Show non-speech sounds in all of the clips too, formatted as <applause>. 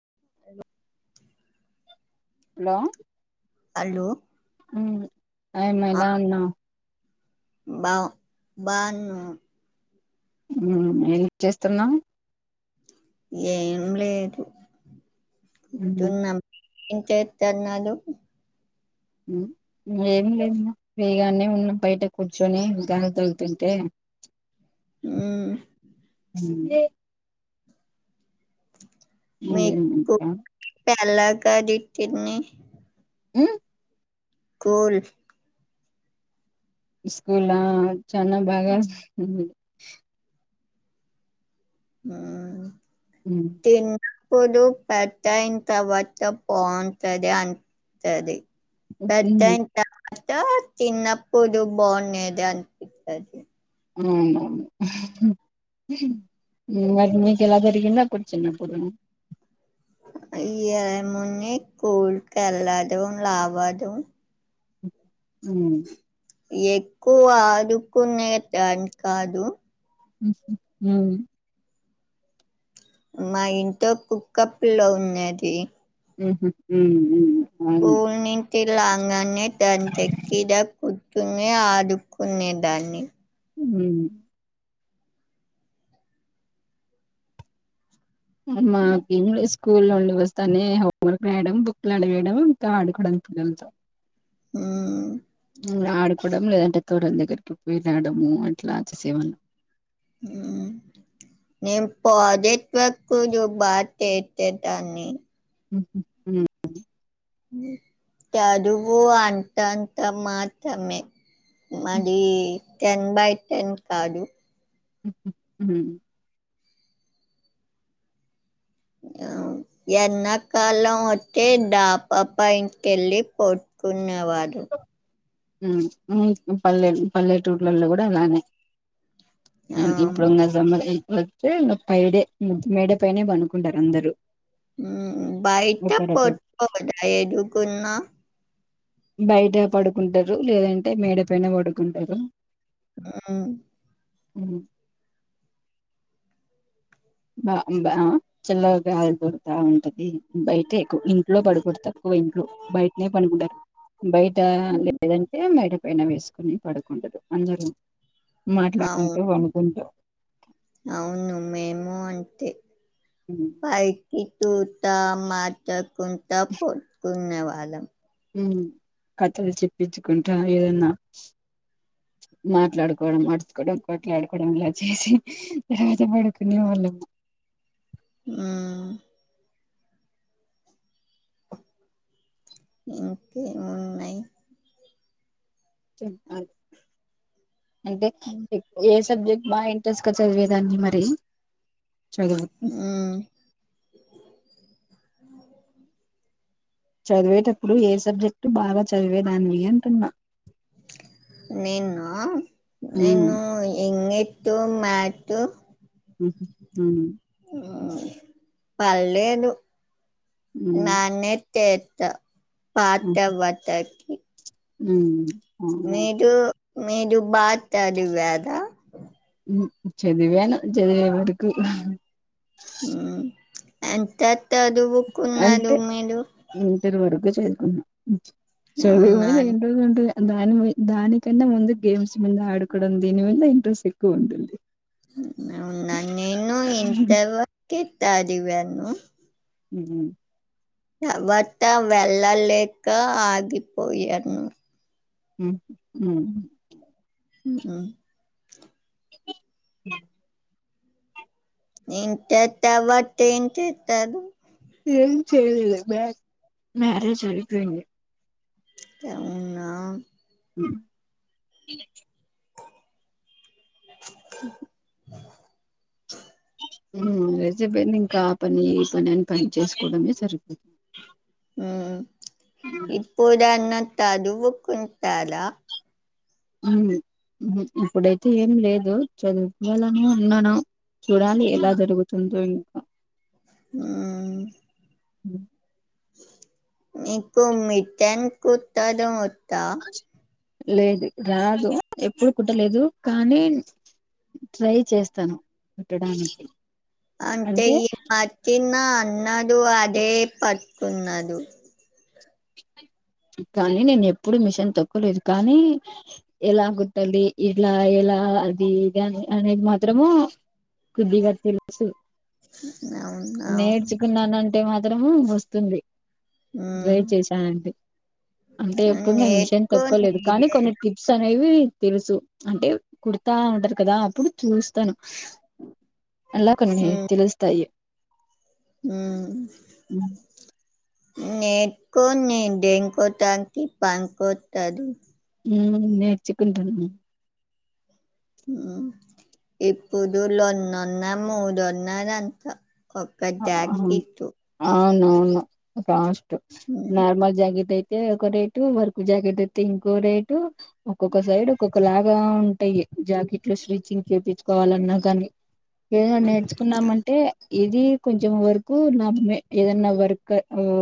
<unintelligible> Hello hello ఊ time అయిందా అన్న బ బను ఎం చేస్తున్నావు ఏం లేదు తిన్నాం ఎం చేతన్నారు ఏమి లేదు ఫ్రీగానే ఉన్నాం బయట కూర్చొని గాలి తగులుతుంటే, ఉ <unintelligible> అదేం ఇంకా కళాకారి చట్నీ ఉ కోల్ స్కూలా చనా బాగా ఉమ్ తిన్ ఇప్పుడు పెద్దయిన తర్వాత బాగుంటది అంటది పెద్దయిన తర్వాత తిన్నప్పుడు బాగుంనాది అనిపిస్తాది అవునవును అది మీీక ఎలా దరిగిందా కుర్చున్నప్పుడును ఈ ఏం ఉంది కూల్కల్ళదం లావాదం ఉమ్ ఎక్కువ ఆడుకునే దాని కాదు ఉహూ ఉమ్ మా ఇంట్లో కుక్కపిల్లో ఉన్నాది ఉహు ఉమ్ ఉమ్ అవుండి టిలాగానే దని తక్క్కడా కూర్చుని ఆడుకునేదాన్ని ఉమ్ మాకి స్కూల్ నుండి వస్తానే హోమ్వర్క్ రాయడం బుక్లు అడవయడం ఇంకా ఆడుకోవడం డంతో ఉ ఆడుకోవడం లేదంటే తోరల దగ్గరికి పోయిలాడము అట్లా చేసేవాళ్ళం ఉ నేప్పు అదే వ జ పూడూ ఎచేదన్ని ఉ చరువు అంతంత మాత్రమే హ్మ్. మది టెన్ బై టెన్ కాదు ఉ అ ఎన్నకాలం వచ్చే దాప పైనికి ఎళ్ళి పట్టుకునేవాళ్ళం ఉమ్ ఉమ్ పల్లె పల్లెటూర్లలో కూడా అలానే ఆ, ఇప్పుడుంగ సబ వస్తే పైడే మేడ పైనే పనుకుంటారు అందరుూ ఉమ్ బయట పోట్టదా ఎదుగున్నా బయట పడుకుంటారు లేదంటే మేడ పైన పడుకుంటారు ఉమ్ ఉమ్ బా బా చిల్ల గాయ గురుతా ఉంటది బయటె ఎక్కువ ఇంట్లో పడకోవడం ఎక్కువ ఇంట్లో బయటనే పనికుంటారు బయట లేదంటే మేడ పైన వేసుకుని పడకుండు అందరూ అవు మాట్లాడుకుంటూ పనుకుంటూ అవును మేము ఉమ్, పైకి తూ త మాట కుంతప్పు కున్న వాళం ఉమ్ కథలు చెప్పించుకుంటా ఏదన్నా మాట్లాడుకోవడం ఆడుచుకోవడం కొట్లాడుకోవడం ఇలా చేసి తర్వాత ఆడుకునే వాళ్ళం ఉమ్ ఇంకే మున్నాయి చెప్పాలి అంటే హ్మ్. ఎక్కవ ఏ సబ్జెక్ట్ మా ఇంట్రెస్ట్గా చదివేదాన్ని మరి చదవదు హ్మ్. చదివేటప్పుడు ఏ సబ్జెక్టు బాగా చదివేదానివి అంటున్నా నేనా ఉమ్. నేను ఎంగ్ ట్ మాట్టూ హ్మ్ ఉమ్ పళ్ళేదు హ్మ్ బానే చేత్తా పాత్త వతక్ ఉమ్ మీరు మీరు బా చదివారా చదివాను చదివే వరుకు ఉమ్ ఎంత తదువు కున్నాదు మీరు న్న చదివాను అవునాను ఎంతో కొంత ఇగ దానిమి దానికన్నా ముందు గేమ్స్ మింద ఆడుకోవడం దీని వల్ల ఇంట్రెస్ ఎక్కువ ఉంటుంది. అవునా నేను ఇంతర్ వరకే తదివాను ఉమ్ తర్వాత వెళ్ళలేక ఆగిపోయాను. ఉహ్ ఉమ్ ఉమ్ ఆ హ ఇంతర్ తర్వాత ఏం చేత్తారు ఏం చెయ్యలా మ్యా మారేజ్ అయిపోయింది. అవునా హ్మ్ రజేపోయింది ఇంకా పని ఈ పని పనిని చేసుకోవడమే సరిపో ఇప్పుడు అన్నా తదువుకుంటారా? ఉమ్ ఇప్పుడైతే ఏం లేదు చదువుకోవాలనే ఉన్నాను. చూడాలి ఎలా జరుగుతుందో ఇంకా ఉమ్ అ మీకు మిట్టన్ కుత్తదం ఒత్తా లేదు రాదు ఎప్పుడు కుట్టలేదు కానీ ట్రై చేస్తాను కుట్టడానికి అంతే అంటే ఈ మద్యనా ఉన్నాదు అదే పట్కున్నాదు. కానీ నేను ఎప్పుడు మిషన్ తొక్కలేదు కానీ ఎలా గుట్టాలి ఇలా ఎలా అలా అది ఇది అనేది మాత్రము కొద్దిగా తెలుసు అవును అవును నేర్చుకున్నానంటే మాత్రము వస్తుంది. ఉమ్ చేశా అంతే అంటే ఎప్పుడు నేను మిషన్ నేర్చుకో తొక్కలేదు కానీ నీదే కొన్ని టిప్స్ అనేవి తెలుసు అంటే కుడతా ఉంటారు కదా అప్పుడు చూస్తను ఎలా కో ఉమ్ నేర్చేస్తా ఇగ ఉమ్ నేర్కోంది దేంకో దాంకి పన్కి ఒత్తాది. ఉమ్ నేర్చికుంటాను. ఇప్పుడు లోందొంద మూదొందలంత ఒక్క జాకిత్తు నవును కాస్ట్ ఉమ్ నార్మల్ జాకిట్ అయి అయితే ఒక రేటు వరకు జాకెట్ అయితే ఇంకో రేటు ఒక్కొక్క సైడ్ ఒక్కొక్క లాగా ఉంటాయి. జాకెట్లో స్ట్రిచింగ్ చేపిచ్చుకోవాలన్నా కానీ ఏదో నేర్చుకున్నామంటే ఇది కొంచం వర్కు భమే ఏదన్నా వర్క్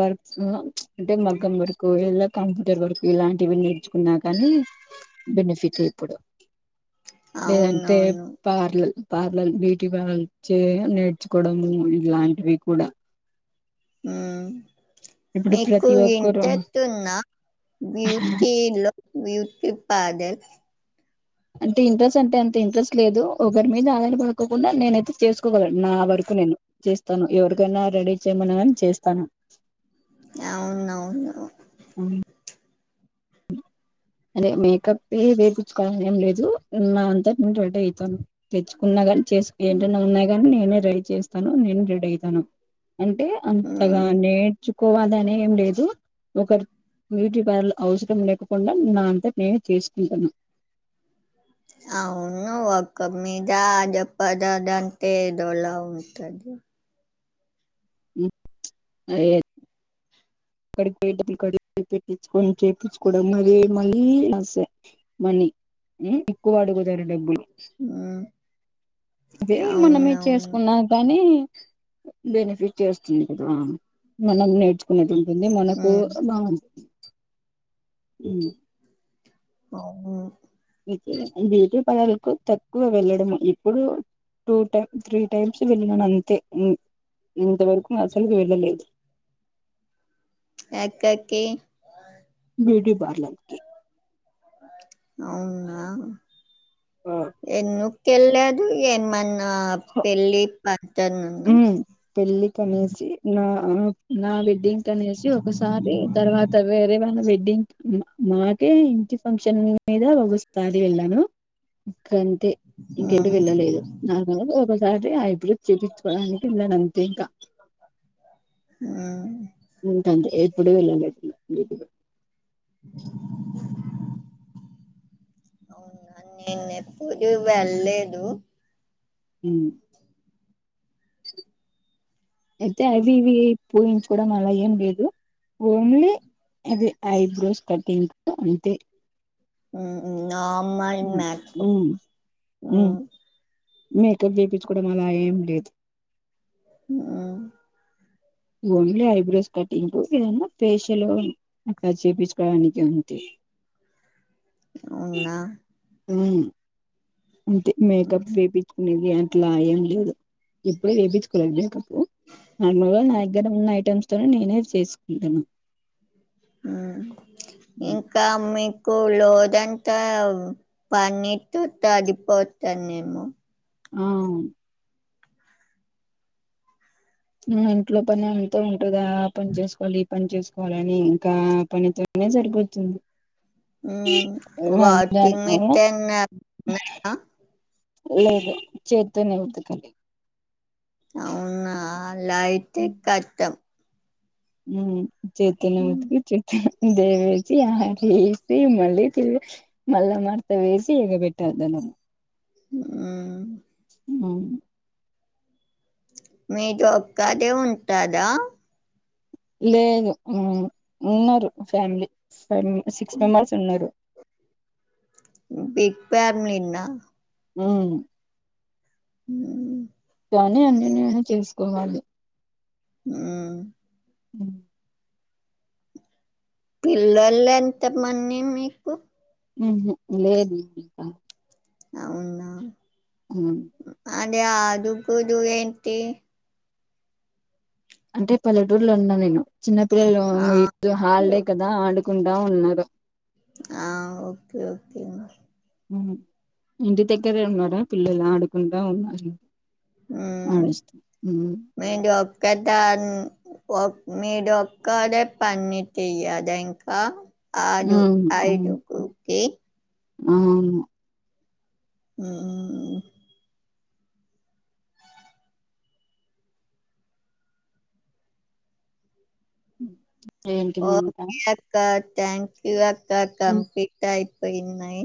వర్క్ అంటే మగ్మ్ండుకు ఎలా కంప్యూటర్ వరకు ఇలాంటివి నేర్చుకున్నా కానీ బెనిఫిట్ ఇప్పుడు లేదంటే అవునవును పార్లలు పార్లర్ బ్యూటీ పార్లర్చ్చ నేర్చుకోవడము ఇలాంటివి కూడా ఆ ఇప్పుడు మీకు ప్రతి ఒక్కరు ఇంటెట్ ఉన్న బ్యూటీ లో వూట్ పాదల్ అంటే ఇంట్రెస్ట్ అంటే అంత ఇంట్రెస్ట్ లేదు ఒకరి మీద ఆధాన పడుకోకుండా నేనైతే చేసుకోగలను నా వరకు నేను చేస్తాను ఎవరికైనా రెడీ చేయమన్నా అని చేస్తాను అవునవును అవు అదే మేకప్ వేపుచ్చుకోవాలని ఏం లేదు ఉన్న అంతాంటే అత తెచ్చుకున్నా కానీ చేసుకు ఏంటనే ఉన్నాయి కాగాని నేనే రడీ చేస్తాను నేను రె హే తను అంటే అంతగా ఉమ్ నేర్చు కోవాలని ఏం లేదు ఒకరు బ్యూటీ పార్ల అవసరం లేపకుండా నా అంతటా నేనే చేసుకుంటున్నా అవును ఒక్క మీద జప్పదదంతే ఏదోలా ఉంటది ఐన్ అక్కడిడి పెట్టించుకొని చేయించుకోవడం మళీ మళ్ళీ నస్తాయి మనీ మ్మ్ ఎక్కువ అడుగుతారు డబ్బులు ఆ ఇదే మనమే చేసుకున్నా కానీ బెనిఫిట్ చేస్తుంది ఆ మనం నేర్చుకున్నాది అన్నే మనకు హ్మ్ బాగుంది ఉ అవును బ్యూటీ పలర్లకు తక్కువ వెళ్ళడము ఇప్పుడు టూ టైమ్ త్రీ టైమ్స్ వెళ్ళినాను అంతే ఇంతవరకు అసలుకి వెళ్ళలేదు ఎక్కక్కకి బ్యూటి పార్లక్కి అవునా ఎన్ను తెళ్ళదు ఏమన్నా పెళ్ళి ప ఉ పెళ్ళికనేసి నాక్ నా వెడ్డింగ్ కనేసి ఒకసారి తర్వాత వేరేవాన్ని పె డింక్ మాకే ఇంటి ఫంక్షన్ మీద ఒకసారి వెళ్ళను ఇంకంటే ఇంకెప్పుడు హ్మ్ వెళ్ళలేదు నాకు ఒకసారి ఆ ఇప్పుడు చూపి చూడానికి వెళ్ళాను అంతే ఇంకా ఆ ఉంతంత్రి ఎప్పుడు వెళ్లలేదు. అవునా నేను ఎప్పుడు వెళ్లేదు ఉమ్ అయితే అవి ఇవి పోయించుకోవడం అలా ఏం లేదు. ఓన్లీ అది ఐబ్రోస్ కటింగ్ అంతే ఆ ఆ అమ్మాయి మాక్స్పో హా మేకప్ చేపించుకోవడం అలా ఏం లేదు ఆ ఓన్లీ ఐబ్రోస్ కటింగ్ కు ఏదన్నా ఫేషియల్ అక్కడ చేపించుకోడానికి ఉంది అవునా ఉమ్ అంతే మేకప్ వేపిచ్చుకునేది అట్లా ఏం లేదు ఎప్పుడు వేపిచ్చుకోలేదు మేకప్పు నార్మల్ గా నా దగ్గర ఉన్న ఐటెమ్స్ తో నేనే చేసుకుంటున్నా ఆ ఇంకా అమ్మి ఉలోదంతా పన్నిట్తో తగిపోతాను నేము ఆవును మ్మ్ ఇంట్లో పని ఎంతో ఉంటది ఆ పని చేసుకోవాలి ఈ పని చేసుకోవాలని ఇంకా పనితో ఏం సరిపోతుంది ఉమ్ వల్ల వాటి మీ టన్నా మీని నా లేదు చేత్తోనే ఉతకాలి అవునా అలా అయితే కట్టం ఉమ్ చేత్తోనే హ్మ్. ఉతికి చేత్తోనే దేవేసి ఆరేసి మళ్ళీ తి మళ్ళ మార్తా వేసి ఇగపెట్టాలి ధనం ఉమ్ అవును మీద ఒక్కదే ఉంటాదా లేదు ఉమ్ ఉన్నారు ఫ్యామిలీ ఫమ్ సిక్స్ మెంబర్స్ ఉన్నారు బిగ్ ఫ్యామిలీ నా అవును <unintelligible> కానీ అన్ని నేనే చేసుకోవాలి హ్మ్ అ పిల్లలే ఎంతమంది మీకు ఉమ్ లేదు ఇంకా అవునా హ్మ్ అదే ఆడుగుదు ఏంటి అంటే పల్లెటూరులో ఉన్నా నేను చిన్నపిల్లలు ఆ! ఉన్న ఇటు లో ఓకే. హాలిడే కదా ఆడు కుంటా ఉన్నారు ఆ ఓకే ఓకే ఇంటి దగ్గరే ఉన్నారా పిల్లలు ఆడుకుంట ఉన్నారు ఉమ్ ఆడేస్తూ ఉ మీము ఒక పేదా అం ఒ మీరు ఒక్కదే పని చేయాద ఇంకా ఉ ఆదు అవును ఐదు అవును కే అవును హ్మ్మ్ ఏంటి మౌనిక ఓకే అక్క థ్యాంక్ అక్క హ్మ్. కంప్లీట్ అయిపోయినాయి